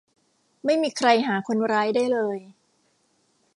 ไม่มีใครหาคนร้ายได้เลย